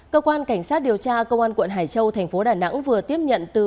cơ quan cảnh sát điều tra công an tp hải châu tp đà nẵng vừa tiếp nhận từ